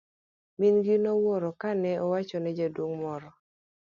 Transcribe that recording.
Min gi nowuoro ka owacho ne jaduong' moro.